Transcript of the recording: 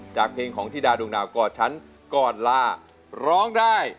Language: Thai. จากเพลงของที่ดาดุงหนาวก็ฉันก็ล่าร้องได้